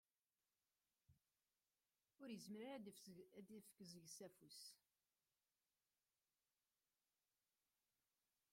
Ur izmir ara ad ifk deg-s afus.